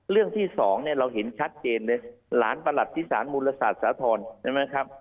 เรื่องที่สองเนี่ยเราเห็นคัดเจนเลยหลานประหลัดศิษฐานมูลศาสตร์สาธารณ์